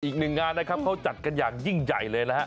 อีกหนึ่งงานนะครับเขาจัดกันอย่างยิ่งใหญ่เลยนะฮะ